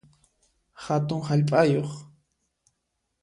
Hatun hallp'ayuq